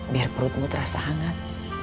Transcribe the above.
biar perutmu terasa hangat